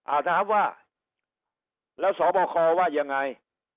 อาจนะครับว่าแล้วสวบครว่ายังไง